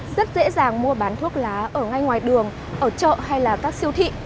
rất dễ dàng mua bán thuốc lá ở ngay ngoài đường ở chợ hay là các siêu thị